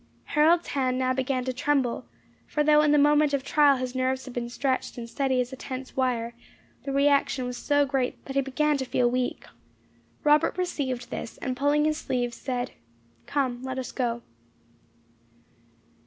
Harold's hand now began to tremble; for though in the moment of trial his nerves had been stretched and steady as a tense wire, the re action was so great that he began to feel weak. Robert perceived this, and pulling his sleeve said, "Come, let us go."